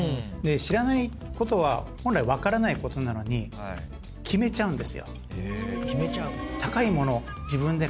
知らないことは本来分からないことなのに決めちゃうんですよ。